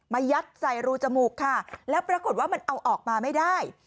ยัดใส่รูจมูกค่ะแล้วปรากฏว่ามันเอาออกมาไม่ได้